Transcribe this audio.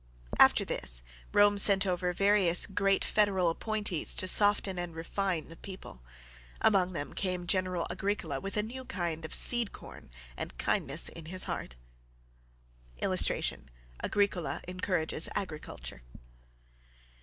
After this Rome sent over various great Federal appointees to soften and refine the people. Among them came General Agricola with a new kind of seed corn and kindness in his heart. [Illustration: AGRICOLA ENCOURAGES AGRICULTURE.